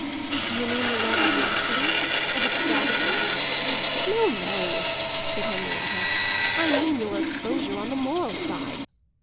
"Do you mean the love of luxury of extravagance?" "No, no," said Henrietta; "I mean your exposure on the moral side.